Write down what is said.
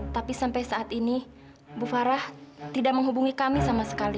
tapi sampai saat ini bu farah tidak menghubungi kami sama sekali